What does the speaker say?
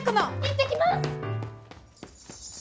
行ってきます！